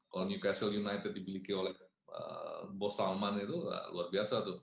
kalau newcastle united dibiliki oleh bos salman itu luar biasa tuh